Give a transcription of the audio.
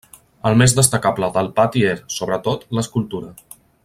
El més destacable del pati és, sobretot, l'escultura.